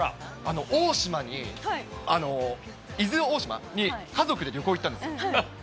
大島に、伊豆大島に家族で旅行に行ったんですよ。